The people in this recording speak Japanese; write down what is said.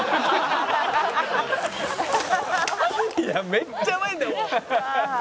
「いやめっちゃうまいんだもん」